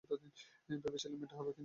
ভেবেছিলাম এটা হবে, কিন্তু হয়নি।